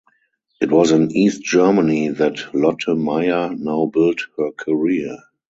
It was in East Germany that Lotte Meyer now built her career.